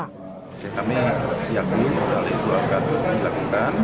kita menangkupi yang ini yang dua kan kita lakukan